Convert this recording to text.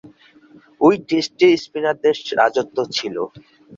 ঐ টেস্টে স্পিনারদের রাজত্ব ছিল।